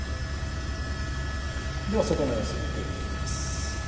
では、外の様子を見てみます。